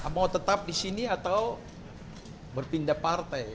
mau tetap disini atau berpindah partai